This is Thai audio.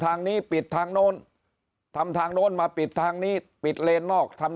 ทางนี้ปิดทางโน้นทำทางโน้นมาปิดทางนี้ปิดเลนนอกทำ